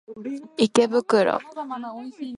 池袋